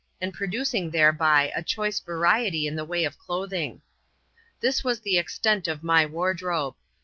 [chap, ua, and producing thereby a choice variety in the way of clothing. This was the extent of my wardrobe.